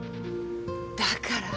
だから！